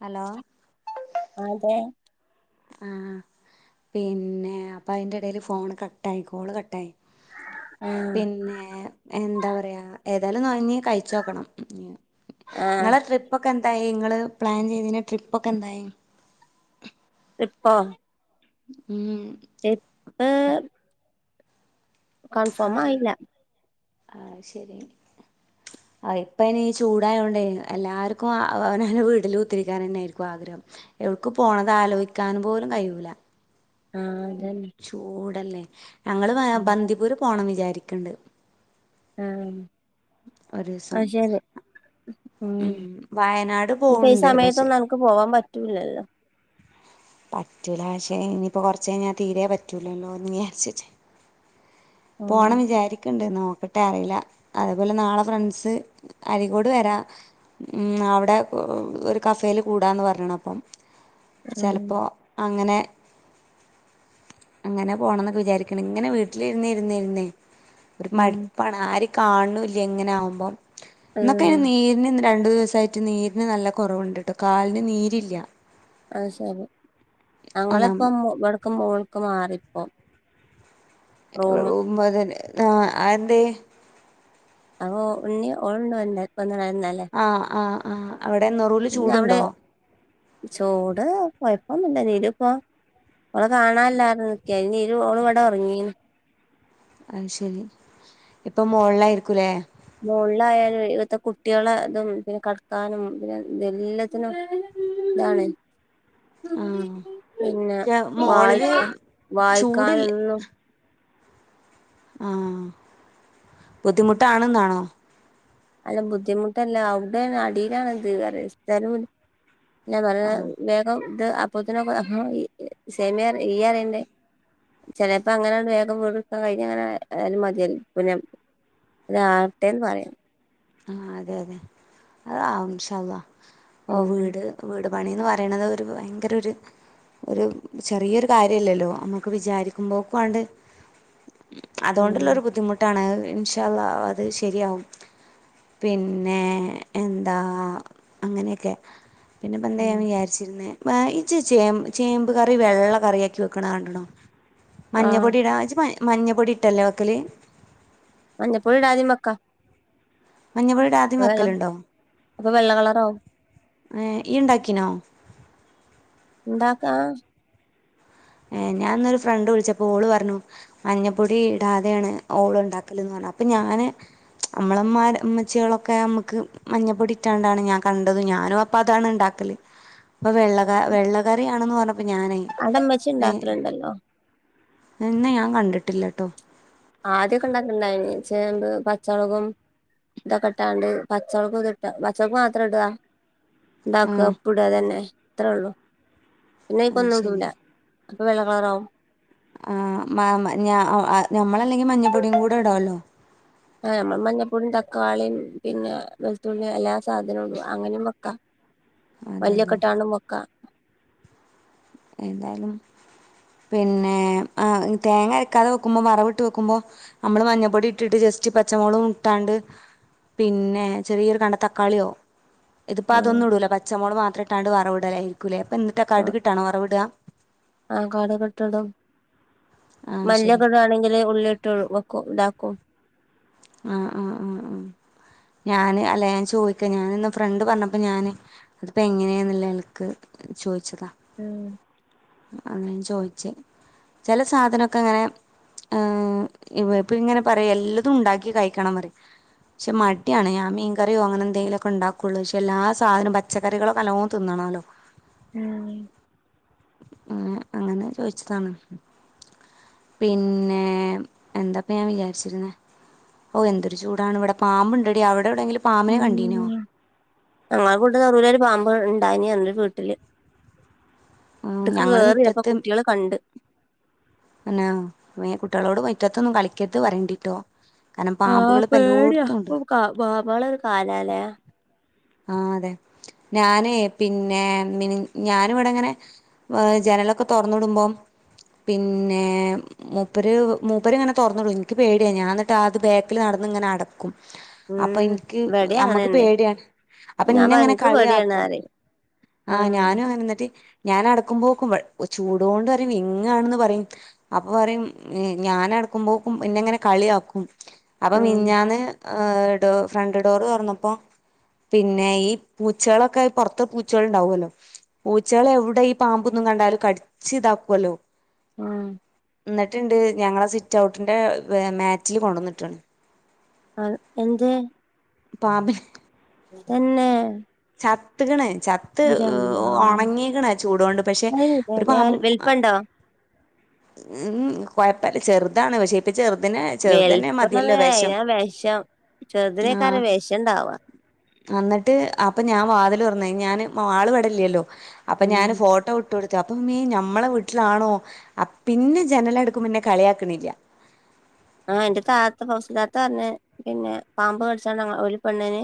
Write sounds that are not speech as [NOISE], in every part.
Hello ആഹ് അതെ ആഹ് പിന്നെ അപ്പയിന്റെ എടേല് ഫോൺ കട്ടായി കോൾ കട്ടായി ആഹ് പിന്നെ എന്താ പറയാ ഏതായാലും നുഴഞ്ഞ് കഴിച്ചോക്കണം ഇഞ് ആഹ് ഇങ്ങളെ ട്രിപ്പ് ഒക്കെ എന്തായി, ഇങ്ങള് പ്ലാൻ ചെയ്തീന്യ ട്രിപ്പൊക്കെ എന്തായി? ട്രിപ്പൊ ഉം ഇപ്പ ന്തായി ആയില്ല ആഹ് ശരി ആഹ് ഇപ്പയ്നീ ചൂടായാണ്ടേ എല്ലാവർക്കും അവനാന്റെ വീട്ടിൽ കുത്തിരിക്കാനന്നേയിരിക്കും ആഗ്രഹം. എവിടുക് പോണത് ആലോചിക്കാൻ പോലും കയ്യൂല. ആഹ് അതെന്നെ ചൂടല്ലേ. ഞങ്ങൾ ബാ ബന്ദിപൂര് പോണം വിചാരിക്ണ്ട്. ആഹ് ഒരീസം അത് ശരി ഉം. വയനാട് ഇനി ഇപ്പോ പോവ്ണ്ട് പക്ഷെ സമയത്തൊന്നും അൻക്ക് പോകാൻ പറ്റൂലല്ലോ പറ്റൂല പക്ഷേ ഇനിയിപ്പോ കുറച്ചുകഴിഞ്ഞാ തീരെ പറ്റൂലല്ലോ വിചാരിച്ചിട്ട് ഉം പോണം വിചാരിക്ണ്ട് നോക്ക ട്ടെ അറീല്ല. അതുപോലെ നാളെ ഫ്രണ്ട്സ് അരീക്കോട് വരാ ഉം അവ്ടെ ഒരു കഫേയില് കൂടാന്ന് പറഞ്ഞ്ണ് അപ്പം ഉം ചെല അങ്ങനെ അങ്ങനെ പോണം വിചാരിക്ണ്ട്. ഇങ്ങനെ വീട്ടിലിരുന്ന് ഇരുന്ന് ഇരുന്നേ ഒരു ഉം മടുപ്പാണ് ആരിം കാണുണൂല്ല്യ ഇങ്ങനാകുമ്പം ഇന്നൊക്കെ അയ്ന് ഉം നീരിന് രണ്ടു ദിവസായിട്ട് നീരിന് നല്ല കൊറവുണ്ട്ട്ടോ കാലിന് നീരില്ല. അഹ് ശരി. ഒന്നാമത് അങ്ങളിപ്പം ഇവട്ക്ക് മോള്ക്ക് മാറി പ്പം [UNINTELLIGIBLE] അതെന്തേ അപ്പൊ ഓ ഇണ്ണി ഓള് ണ്ട് വന്ന് വന്ന്ണ ആഹ് ആഹ് ആഹ് അവിടെ നെറൂല് പിന്നെ അവിടെ ചൂടുണ്ടോ? ചൂട് കൊയ്പ്പൊന്നുല്ല. നിലുപ്പം ഓളെ കാണാല്ലാർഞ് നിക്കേനി അയ്ല് നിലു ഓള് ഇവടെ ഒർങ്ങീന് അത് ശരി. ഇപ്പം മോൾലായിരിക്കുലേ മോൾളായാല്‌വേ എത്ത കുട്ടിയേളെ തും പിന്നെ കടക്കാന്നും പിന്നെ എല്ലത്തിനും ഇതാണ് ആഹ് പിന്നെ ക്ഷേ മോളില് വായിക്ക ചൂടില് വായിക്കാനൊന്നും ആഹ് ബുദ്ധിമുട്ടാണ്ന്നാണോ? അല്ല ബുദ്ധിമുട്ടല്ല അവ്ടേണ് അടിലാണ് ഇത് പർയാ. സ്ഥലു ല്ല. ആഹ് [UNINTELLIGIBLE] വേഗം ഇത് അപ്പോത്തിനൊക്ക അപ്പം ഇ സെമി ഇയ്യ റിണ്ട് ചെലേപ്പം അങ്ങനാണ്ട് വേഗം വീട് ഇട്ക്കാൻ കഴിഞ്ഞങ്ങനെ ആയാലും മതിയ പിന്നെ ല്ല ആകട്ടെ ന്ന് പറയാ. ആഹ് അതെ അതെ. അതാകും ഇൻഷാ അള്ളാ. ഇപ്പൊ ഉം വീട് വീട് പണീന്ന് പറിണത് ഒരു ഭയങ്കര ഒര് ഒരു ചെറിയൊരു കാര്യല്ലല്ലോ നമ്മുക്ക് വിചാരിക്കുമ്പോക്കു ആണ്ട് ഉം അതോണ്ടുള്ള ബുദ്ധിമുട്ടാണ് അത് ഇൻഷാ അള്ളാ അത് ശരിയാവും. പിന്നെ എന്താ അങ്ങനെയൊക്കെ പിന്നെ ഇപ്പ എന്ത ഉം ചെയ്യാൻ വിചാരി വിചാരിരുന്നാ ഇജ്ജ് ച്ചെ ചേമ്പ് കറി വെള്ള കറിയക്കി വെക്കണ കണ്ടണോ മഞ്ഞ ആഹ് പൊടി ഇടാ ഇജ്ജ് മഞ്ഞ പൊടി ഇട്ടല്ലേ വെക്കല് മഞ്ഞപ്പൊടി ഇടാതെയും വെക്കാം മഞ്ഞപ്പൊടി ഇടാതെയും വയ്ക്കൽ വെള്ളം ഉണ്ടോഏ അപ്പൊ വെള്ള കളറാവും ഇയ് ഇണ്ടാകിനോ ഉണ്ടാക്കാം ഏ ഞാൻന്നൊരു ഫ്രണ്ട് വിളിച്ചപ്പോ ഓള് പറഞ്ഞു മഞ്ഞപ്പൊടി ഇടാതെയാണ് ഓള ഉണ്ടാക്കലന്ന് പറഞ്ഞാൽ അപ്പൊ ഞാന് നമ്മളെ ഇമ്മര് ഉമ്മച്ചികളൊക്കെ നമ്മുക്ക് മഞ്ഞപ്പൊടിറ്റാണ്ടാണ് ഞാൻ കണ്ടത് ഞാനും അപ്പൊ അതാണ് ഉണ്ടാക്കല് ഇപ്പൊ വെള്ള വെള്ളകറിആണെന്ന് പറഞ്ഞപ്പോ ഞാനേ അത് ഉമ്മച്ചി ഇണ്ടാക്കൽ ഇണ്ടല്ലോ ഇന്ന ഞാൻ കണ്ടിട്ടില്ല കേട്ടോ ആദ്യമൊക്കെ ഇണ്ടാക്കണ്ടായിനി ചേമ്പ് പച്ചമുളകും ഇതൊക്കെ ഇട്ടാണ്ട് പച്ചമുളക് ഇതിട്ടാ പച്ചമുളക് മാത്രം ഇടുക. ആ ഉണ്ടാക്കുക ഉപ്പ് ഇടാ തന്നെ. അത്ര ഉള്ളു പിന്നെ അയ്ക്ക് ഒന്നും ശരി ഇടൂല. അപ്പൊ വെള്ള കളറാവും. ആഹ് മാമൻ ഞാ ആഹ് ഞമ്മളല്ലെങ്കി മഞ്ഞപ്പൊടിയും കൂടെ ഇടോല്ലോ. ആഹ് ഞമ്മ മഞ്ഞപ്പൊടീം തക്കാളീം പിന്നെ വെളുത്തുള്ളീം എല്ലാ സാധനവും ഇടും. അങ്ങനെയും വെക്കാ. അതെ മല്ലി അതെ ഒക്കെ ഇട്ടാണ്ട് വക്ക. എന്തായാലും പിന്നെ ആഹ് തേങ്ങ അരക്കാതെ വെക്കുമ്പോ വറവ് ഇട്ട് വെക്കുമ്പോ ഞമ്മള് മഞ്ഞപ്പൊടി ഇട്ടിട്ട് ജസ്റ്റ് പച്ചമുളകും ഇട്ടാണ്ട് പിന്നെ ചെറിയൊരു കണ്ടം തക്കാളിയോ ഇതിപ്പോ ആഹ് അതൊന്നും ഇടൂല. പച്ചമുളക് മാത്ര ഇട്ടാണ്ട് വറവിടലായിരിക്കൂലേ. അപ്പ എന്തിട്ടാ കടുകിട്ടാണോ വറവ് ആഹ് കടുകിട്ടിടും. ആ ശരി മല്ലിയൊക്കെ ഇടാണെങ്കില് ഉള്ളി യിട്ട് വെക്കും ഇതാക്കും. ആഹ് ആഹ് ആഹ് ഞാന് അല്ല ഞാൻ ചോദിക്ക ഞാന് ഇന്ന് ഫ്രണ്ട് പറഞ്ഞപ്പോ ഞാന് അതിപ്പോ എങ്ങനെയാന്നുള്ള നെലക്ക് ചോദിച്ചതാ. ആഹ് അങ്ങനെ ചോയ്ച്ചേ. ചില സാധനൊക്കെ അങ്ങനെ ആഹ് ഇപ്പ ഇങ്ങനെ പറയും എല്ലതും ഉണ്ടാ ക്കികഴിക്കണന്ന് പറയും. പക്ഷെ മടിയാണ്. ഞാൻ മീൻ കറിയോ അങ്ങനെ എന്തെങ്കിലൊക്കെ ഉണ്ടാക്കുള്ളൂ. പക്ഷെ എല്ലാ സാധനം പ ച്ചക്കറികള് നല്ലോം തിന്നണോലോ. ഉം അങ്ങ് അങ്ങനെ ചോയിച്ചതാണ്. പിന്നെ എന്താ ഇപ്പ ഞാൻ വിചാരിച്ചിരുന്നെ. ഓഹ് എന്തൊരു ചൂടാണ് ഇവിടെ. പാമ്പ് ഉണ്ടടി അവിടെ എവിടെയെങ്കിലും പാമ്പിനെ കണ്ടീനോ ഞങ്ങളുടെ വീട്ട് നെറുവിലൊരു പാമ്പ് ഉണ്ടായിനി. ഒരു വീട്ടില് ആഹ് വീട്ടിക്ക് ഞങ്ങള് കേറി അപ്പോ മിറ്റത്ത് കുട്ടികള് കണ്ട്. തന്നെ കുട്ടികളോട് മിറ്റത്തൊന്നും കളിക്കരുത് പറയേണ്ടിട്ടോ. കാരണം ആഹ് പാമ്പുകള് ഇപ്പോ പേടിയാ എല്ലോടുത്തും ഉണ്ട്. ഇപ്പൊ കാ പാമ്പുകളുടെ ഒരു കാലാലേ. ആഹ് അതെ. ഞാനേ പിന്നെ മിനി ഞാന് ഇവിടെ ഇങ്ങനെ വ് ജനലൊക്കെ തുറന്നിടുമ്പം പിന്നെ മൂപ്പര് മൂപ്പര് ഇങ്ങനെ തുറന്നിടും. എനിക്ക് പേടിയാ. ഞാൻ അന്നിട്ട് അത് ബാക്കിൽ നടന്ന് ഇങ്ങനെ അട ക്കും. അപ്പൊ ഉം എനിക്ക് ഇവടിം അമ്മക്ക് അങ്ങനെന്നെ പേടിയാ. അപ്പൊ ഞാൻ പറയും എന്നിങ്ങനെ ഇൻക്ക് പേടിയാണ് കളിയാക്കും. പറയും ആഹ് ഞാനും എന്നിട്ട് ഞാൻ അടക്കുമ്പോക്ക് ഇവൾ ചൂടുകൊണ്ടുവരെ വിങ്ങാണന്ന് പറയും. അപ്പൊ പറയും ഞാനടുക്കുമ്പോക്കും എന്നെ ഇങ്ങനെ കളിയാക്കും. അപ്പോ ആഹ് മിനിഞ്ഞാന്ന് ആഹ് ഡോ ഫ്രണ്ട് ഡോറ് തുറന്നപ്പോ പിന്നെ ഈ പൂച്ചകളൊക്കെ പൊറത്ത് പൂച്ചകൾ ഉണ്ടാവുമല്ലോ. പൂച്ചകളെവിടെ ഈ പാമ്പൊന്നും കണ്ടാല് കടിച്ച് ഇതാക്കുവല്ലോ. ആഹ്. എന്നിട്ടിണ്ട് ഞങ്ങളെ സിറ്റ്ഔട്ടിന്റെ മാറ്റില് കൊണ്ടന്ന് ഇട്ടേണ്. ആഹ് എന്ത് പാമ്പിനെ എന്നെ. ചത്ത്ക്കണ് ച ത്ത് ഉണങ്ങിയേക്കണ് ചൂടുകൊണ്ട്. പക്ഷെ ഒരു പാമ്പും വെൽപ്പണ്ടോ ഉം കൊഴപ്പല്ല ചെറുതാണ്. പക്ഷേ ട്ട് ചെറുതിനെ ചെറുതന്നെ വലുപ്പം എന്നുള്ളത് മതിയല്ലോ വേഷം അയിനാ വെഷം ആഹ് ചെറുതിനേക്കാരാ വെഷം ഇണ്ടാവാ. അന്നിട്ട് അപ്പൊ ഞാൻ വാതില് തുറന്ന് ഞാന് മാളു ഇവിടില്ലല്ലോ. അപ്പൊ ഉം ഞാന് ഫോട്ടോ ഇ ഇട്ട് എടുത്ത അപ്പൊ നീ നമ്മളെ വീട്ടിലാണോ പിന്നെ ജനല അടുക്കുമ്പോ ഇന്നെ കളിയാക്കണില്ല ആഹ് എന്റെ താത്തെ ഫൗസി താത്ത പറഞ്ഞ പിന്നെ പാമ്പ് കടിച്ച ഒരു പെണ്ണേന്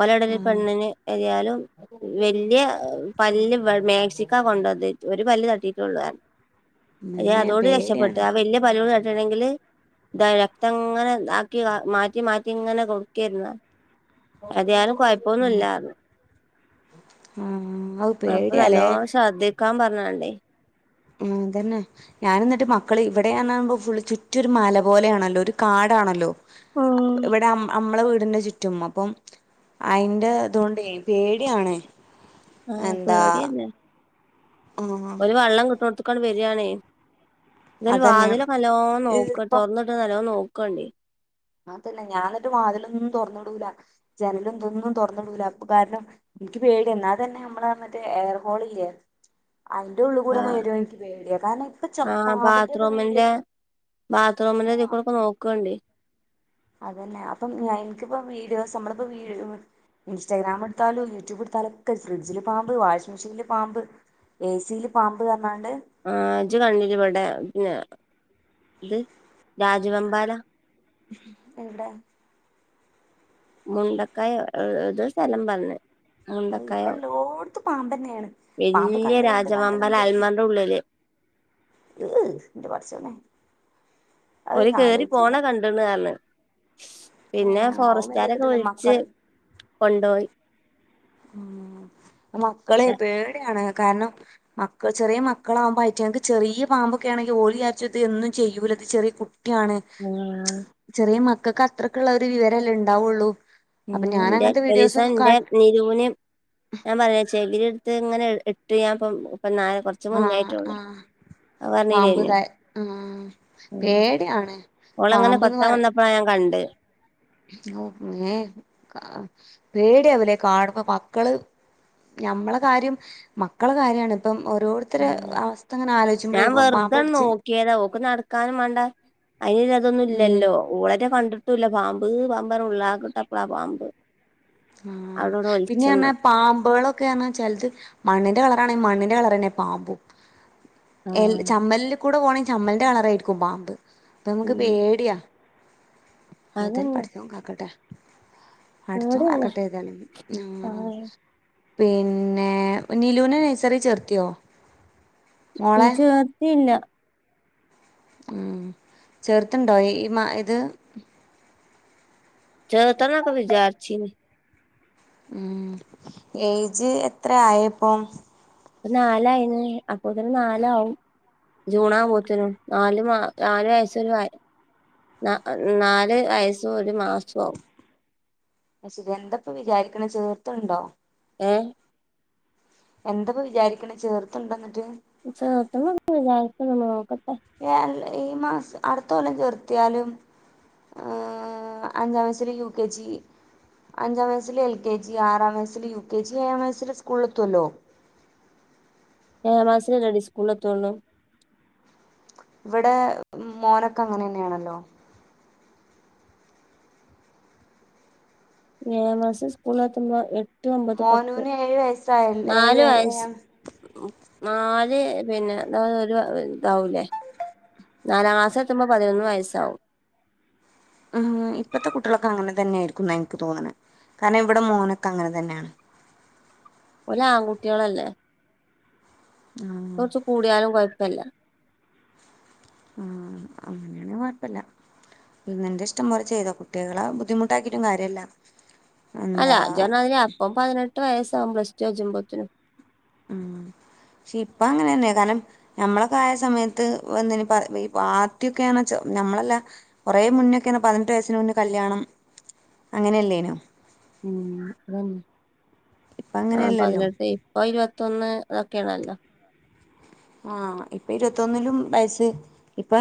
ഓല ഇടലിൽ ആഹ് പെണ്ണിന് എതായാലും വല്യ പല്ല് മാേക്സിക്ക കൊണ്ടത് ഒരു പല്ല് തട്ടിട്ടുള്ളു പറഞ്ഞു യാ മ്മേ അതോണ്ട് രക്ഷപ്പെട്ട് പേടിയാണ് ആ വല്ല്യ പലൂട് തട്ടീണെങ്കില് രക്തം ഇങ്ങനെ താക്കി മാറ്റി മാറ്റി ഇങ്ങനെ കൊടുക്കേര്ന്നു ഏതായാലും കൊഴപ്പൊന്നും ഇല്ലാർഞ്ഞ് ആഹ് അഹ് അപ്പം നല്ലോണം ശ്രദ്ധിക്കാൻ പറഞ്ഞേണ്ടേ. ഉം തന്നെ ഞാൻ എന്നിട്ട് മക്കള് ഇവിടെയാണകുമ്പോ ഫുള് ചുറ്റ ഒരു മല പോലെയാണല്ലോ ഒരു കാടാണല്ലോ ഇവിടെ അമ്മളെ വീടിന്റെ ചുറ്റ പറ്റും ഇമ്മക്കും അയിന്റെ ഇതൊണ്ടേ പേടിയാണ് ആഹ് എന്താ പേടിതന്നെ ആഹ് ഒരു വള്ളം കിട്ട്ണോടുതക്ക് വരിയാണേ എന്തേലും അതന്നെ വാതിൽ നല്ലോ നോക്ക ഈർപ്പം തുറ നല്ലോ നോക്കണ്ടി ആതന്നെ ഞാൻ എന്നിട്ട് വാതിലൊന്നും തൊറന്ന്ടൂല ജനലും ഇതൊന്നും തൊറന്ന്ടൂല അപ്പൊ കാരണം ഇൻക്ക് പേടിയ ഇന്നാ തന്നെ നമ്മളെ മറ്റേ എയർ ഹോളില്ലേ അയ്ന്റെ ഉള്ള് കൂടെന്നെ ആഹ് വരോ ഇൻക്ക് പേടിയ കാരണം ഇപ്പ ചെർ ആഹ് പാമ്പ്‌ന്റെക്കെ വീഡിയോ ബാത്റൂമിന്റെ ബാത്റൂമിന്റെ ഇതികൂടൊക്ക നോക്കൊണ്ടി അതെന്നെ അപ്പം ഇൻക്കിപ്പോ വീഡിയോസ് നമ്മളിപ്പോ വീ ഇൻസ്റ്റഗ്രാംമെട്ത്താലും യൂട്യൂബെട്ത്താലൊക്കെ ഫ്രിഡ്ജില് പാമ്പ് വാഷിംഗ് മെഷീനിൽ പാമ്പ് ഏസീല് പാമ്പ്ർഞ്ഞാണ്ട്. ആഹ് ഇജ് കണ്ടീനിയോ ഇവിടെ പിന്നെ ഇത് രാജവെമ്പാല എവിടേ മുണ്ടക്കായൊ എതൊ സ്ഥലം പറഞ്ഞ് ഇപ്പ മുണ്ടക്കായോ എല്ലോട്ത്തും പാമ്പെന്നെയാണ് വല്യ രാജവമ്പാല അൽമർന്റെ ഉള്ളില്. ഇന്റെ പടച്ചോനേ ഓര് കറി പോണെ കണ്ട്ണ് പർഞ്ഞാ പിന്നെ ആഹ് അവും നല്ലേ ഫോറസ്റ്റുകാരൊക്കെ കിട്ടല്ലേ വിളിച്ച് മക്കള് കൊണ്ടോയി ഉം മക്കളെ പേടയാണ് കാരണം മക്കൾ ചെറിയ മക്കളാകുമ്പോ അയിറ്റങ്ങക്ക് ചെറിയ പാമ്പൊക്കെ ആണെങ്കിൽ ഓല് ചാരിച്ചും ഇത് ഒന്നും ചെയ്യൂല ഇത് ചെറിയ കു ക്കെയാണ് ഇങ്ങനെ ചെറിയ മക്കൾക്ക് അത്രയ്ക്ക്ള്ള ഒര് വിവരല്ലേ ഇണ്ടാവൊള്ളൂ ഉം ഇന്റെ ഒരീസം ഇന്റെ ജൂനിം ഞാൻ പറയ ചെകിരി ഇട്ത്ത് ഇങ്ങനെ ഇട്ട് ഞാൻ ഇപ്പം ഇമ്പന്നാരെ കൊർ ആ ആ പറഞ്ഞില്ലേനോ പാമ്പ്തയ് ആ പേട്യാണ്. ഓളങ്ങനെ കൊത്താൻ വന്നപ്പഴാ ഞാൻ കണ്ട് മേ പേടിയാവുലേ കാണുമ്പോ മക്കള് ഞമ്മളെ കാര്യം മക്കളെ കാര്യാണ് ഇപ്പം ഓരോ. ഉം ഞാൻ വെറുതെ കടിച്ച് നോക്കിയതാ ഓൾക്ക് നടക്കാ. ക്കാനും വേണ്ട അയിന് അതൊന്നും ഉം ഇല്ലല്ലോ. ഓളുറ്റേ കണ്ടിട്ടും ഇല്ല പാമ്പ് പാമ്പ് ഉള്ളാക്കട്ടപ്പളാ പാമ്പ്. ഉം അവിടവിടെ പിന്നെ ഞാൻ. ഒലിച്ചന്ന് പാമ്പുകൾ ഒക്കെയാണ് ചെലത് മണ്ണിന്റെ കളർ ആണേൽ മണ്ണിന്റെ കളർ തന്നെ പാമ്പും. എൽ ആഹ് ചമ്മലിൽ കൂടെ പോകണെങ്കിൽ ചമ്മലിന്റെ കളറയിരിക്കും പാമ്പ് അപ്പൊ നമുക്ക് ഉം പേടിയാ. ഏതായാലും അതന്നെ പടച്ചവൻ കാക്കട്ടെ. പടച്ചോൻ ഇവടന്നെ കാക്കട്ടെ ഏതായാലും ആഹ്. പിന്നെ നിലൂനെ നഴ്സറി ചേർത്തിയോ? ഉം മോളെ ചേർത്തിയില്ല ഉം ചേർത്തണ്ടോ ഈ ഇത് ചേർത്തന്ന് ഒക്കെ വിചരിച്ചീന് ഉം ഏയ്ജ് എത്രയായി ഇപ്പം നാലായിന് അപ്പോത്തേനും നാല് ആവും ജൂണാവകുമ്പോത്തനും നാല് നാല് വയസ്സരു- നാ നാല് വയസ്സും ഒരു മാസവും. അത് ശരി എന്തപ്പ വിചാരിക്കണെ ചേർത്തുണ്ടോ ഏഹ് എന്താപ്പ വിചാരിക്കണെ ചേർത്തുണ്ടേ എന്നിട്ട് ചേർത്തുന്നു എന്ന് വിചിരിക്കുന്നു നോക്കട്ടെ ഈ മാസം അടുത്ത കൊല്ലം ചെർത്തിയാലും അഹ് അഞ്ചാം വയസ്സിൽ യു കെ ജി അഞ്ചാം വയസ്സിൽ എൽ കെ ജി ആറാം വയസ്സിൽ യു കെ ജി ഏഴാം വയസ്സിൽ സ്കൂളില് എത്തുല്ലോ ഏഴാം മാസമല്ലടി സ്കൂളലെതോള്ളൂ ഇവിടെ മോനൊക്കെ അങ്ങനെ തന്നെണല്ലോ ഏഴാം മാസം സ്കൂളിലെത്തുമ്പോ എട്ട്- എട്ട് ഒമ്പത് പത്ത് മോനൂന് ഏഴ് വയസ്സായ ഏഴ് നാല് വയസ് ഏഴാം നാല് പിന്നെ അത് ഒരു ഇതാവൂലേ നാലാം ക്ലാസ്സ് എത്തുമ്പോൾ പതിനൊന്ന് വയസ്സാവും അഹ് ഇപ്പത്തെ കുട്ടികളൊക്കെ അങ്ങനെ തന്നെയായിരിക്കും എന്നാ എനിക്ക് തോന്നണെ കാരണം ഇവിടെ മോനൊക്കെ അങ്ങനെ തന്നെയാണ് ഓല് ആൺകുട്ടികളല്ലേ ആഹ് കുറച്ച് കൂടിയാലും കുഴപ്പല്ല ആഹ് അങ്ങനെയാണെൽ കുഴപ്പല്ല നിന്റെ ഇഷ്ടം പോലെ ചെയ്തോ കുട്ടികളെ ബുദ്ധിമുട്ടാക്കിട്ടും കാര്യല്ല അല്ല എന്താ ഇജ്ജ് അപ്പൊ പതിനെട്ട് വയസ്സ് ആവും പ്ലസ് ടു കജ്ജുബ്ബത്തേനും. ഉം പക്ഷെ ഇപ്പ അങ്ങനെന്നെ കാരണം ഞമ്മളൊക്കെ ആയ സമയത്ത് വന്നിനിപ്പ ആദ്യക്കെ ആണന്നവെച്ച നമ്മളല്ല കുറെേ മുന്നൊക്കെ പതിനെട്ട് വയസ്സിന് മുന്നേ കല്യാണം അങ്ങനെ അല്ലേനോ ഉം അതന്നെ ഇപ്പ ആഹ് അങ്ങനെയല്ലല്ലോ പതിനെട്ടെ ഇപ്പ ഇരുപത്തിയൊന്ന് അതൊക്കെ ആണല്ലോ ആഹ് ഇപ്പൊ ഇരുപത്തൊന്നിലും വയസ് ഇപ്പൊ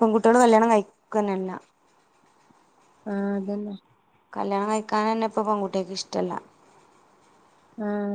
പെൺകുട്ടികള് കല്യാണം കഴിക്കാനല്ല ആഹ് അതന്നെ കല്യാണം കഴിക്കാൻ തന്നെപ്പം പെൺകുട്ടികൾക്ക് ഇഷ്ടല്ല ആഹ്